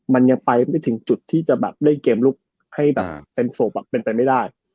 มันยังไปไม่ถึงจุดที่จะแบบเล่นเกมลุกให้แบบเต็มศพเป็นไปไม่ได้